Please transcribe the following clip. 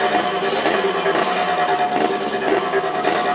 weh ada yang tang touches dia